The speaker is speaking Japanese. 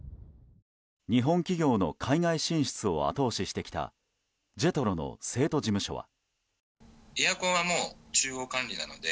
日本企業の海外進出を後押ししてきたＪＥＴＲＯの成都事務所は。